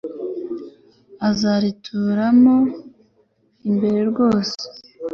azarituramo imbere rwose